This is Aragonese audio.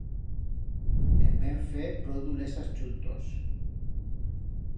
En vem fer prou d'ulezas chuntos.